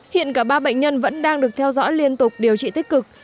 hiện cả ba bệnh nhân vẫn đang được theo dõi liên tục điều trị tích cực